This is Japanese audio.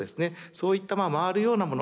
そういった回るようなもの